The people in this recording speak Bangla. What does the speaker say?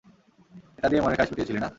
এটা দিয়েই মনের খায়েশ মিটিয়েছিলি না?